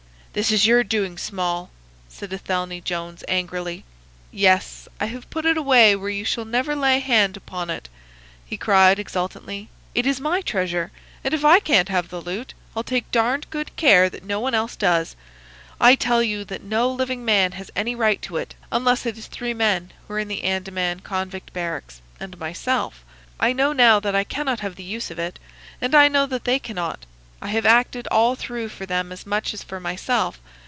"This is your doing, Small," said Athelney Jones, angrily. "Yes, I have put it away where you shall never lay hand upon it," he cried, exultantly. "It is my treasure; and if I can't have the loot I'll take darned good care that no one else does. I tell you that no living man has any right to it, unless it is three men who are in the Andaman convict barracks and myself. I know now that I cannot have the use of it, and I know that they cannot. I have acted all through for them as much as for myself.